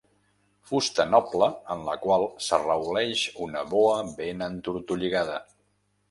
Fusta noble en la qual s'arrauleix una boa ben entortolligada.